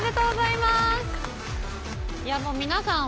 いやもう皆さん